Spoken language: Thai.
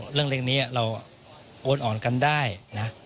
เรื่องนี้เราโอนอ่อนกันได้นะ